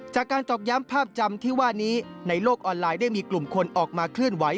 ตอกย้ำภาพจำที่ว่านี้ในโลกออนไลน์ได้มีกลุ่มคนออกมาเคลื่อนไหว